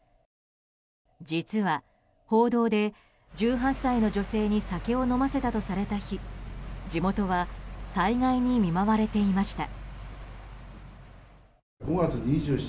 実は報道で、１８歳の女性に酒を飲ませたとされた日地元は災害に見舞われていました。